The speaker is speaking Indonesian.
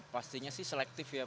pastinya sih selektif ya